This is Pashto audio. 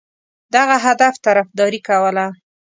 دغه هدف طرفداري کوله.